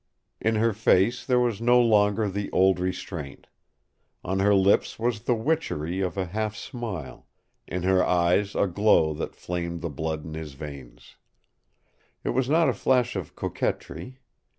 In her face there was no longer the old restraint. On her lips was the witchery of a half smile; in her eyes a glow that flamed the blood in his veins. It was not a flash of coquetry.